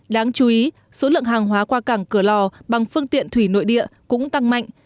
đáng chú ý số lượng hàng hóa qua cảng cửa lò bằng phương tiện thủy nội địa cũng tăng mạnh